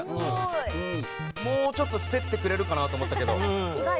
もうちょっと競ってくれるかなと思ったけど。